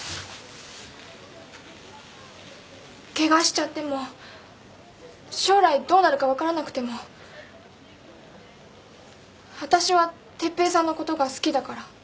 ケガしちゃっても将来どうなるか分からなくてもわたしは哲平さんのことが好きだから。